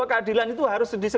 bahwa keadilan itu harus sedikit